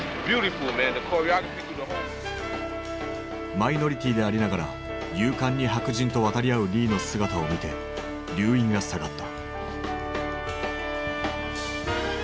マイノリティーでありながら勇敢に白人と渡り合うリーの姿を見て留飲が下がった。